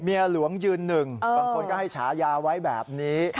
เมียหลวงยืนหนึ่งบางคนก็ให้ฉายาไว้แบบนี้